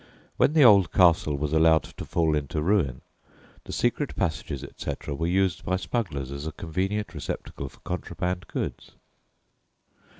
When the old castle was allowed to fall into ruin, the secret passages, etc., were used by smugglers as a convenient receptacle for contraband goods.